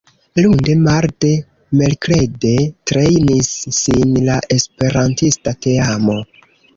Lunde, marde, merkrede trejnis sin la esperantista teamo.